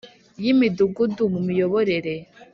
Y imidugudu mu miyoborere